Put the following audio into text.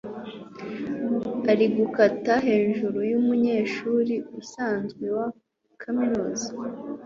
Ari gukata hejuru yumunyeshuri usanzwe wa kaminuza.